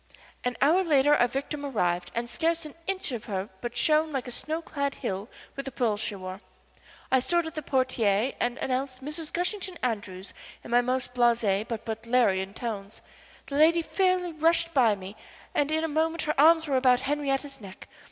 An hour later our victim arrived and scarce an inch of her but shone like a snow clad hill with the pearls she wore. I stood at the portière and announced Mrs. Gushington Andrews in my most blasé but butlerian tones. The lady fairly rushed by me, and in a moment her arms were about Henriette's neck.